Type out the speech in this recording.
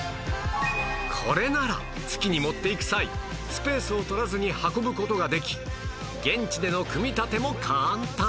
これなら月に持っていく際スペースを取らずに運ぶ事ができ現地での組み立ても簡単